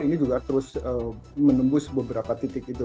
ini juga terus menembus beberapa titik itu